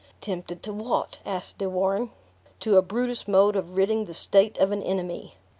"Tempted to what?" asked De Warenne. "To a Brutus mode of ridding the state of an enemy."